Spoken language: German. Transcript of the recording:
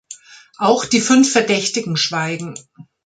Auch die fünf Verdächtigen schweigen.